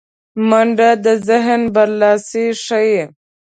منډه د ذهن برلاسی ښيي